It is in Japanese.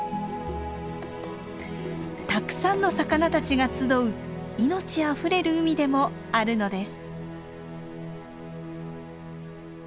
たくさんの魚たちが集う命あふれる海でもあるのです。